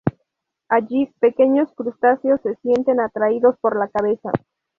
Allí, pequeños crustáceos se sienten atraídos por la cabeza.